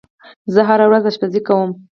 زه هره ورځ آشپزی کوم.